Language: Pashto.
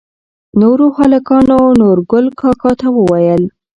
نوور هلکانو نورګل کاکا ته وويل